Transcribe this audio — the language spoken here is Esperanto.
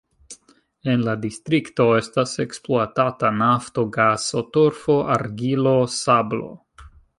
En la distrikto estas ekspluatata nafto, gaso, torfo, argilo, sablo.